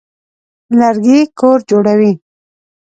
لرګي کور جوړوي.